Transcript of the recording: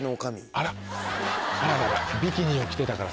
あら！